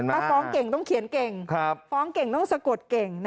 ถ้าฟ้องเก่งต้องเขียนเก่งฟ้องเก่งต้องสะกดเก่ง